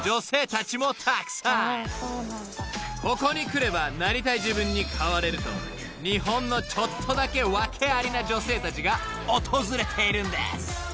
［ここに来ればなりたい自分に変われると日本のちょっとだけワケありな女性たちが訪れているんです］